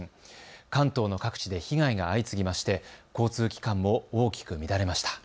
関東の各地で被害が相次ぎまして交通機関も大きく乱れました。